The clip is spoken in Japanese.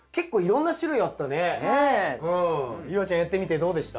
夕空ちゃんやってみてどうでした？